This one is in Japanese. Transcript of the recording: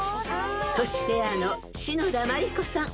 ［トシペアの篠田麻里子さん